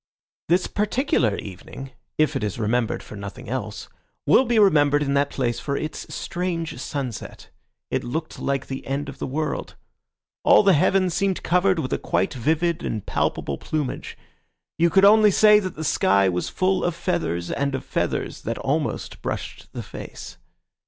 This particular evening, if it is remembered for nothing else, will be remembered in that place for its strange sunset. It looked like the end of the world. All the heaven seemed covered with a quite vivid and palpable plumage; you could only say that the sky was full of feathers, and of feathers that almost brushed the face.